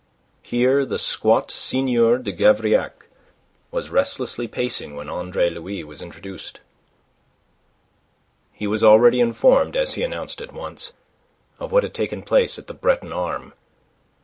Here the squat Seigneur de Gavrillac was restlessly pacing when Andre Louis was introduced. He was already informed, as he announced at once, of what had taken place at the Breton arme.